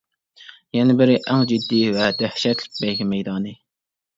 يەنە بىرى ئەڭ جىددىي ۋە دەھشەتلىك بەيگە مەيدانى.